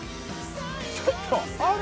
ちょっとある！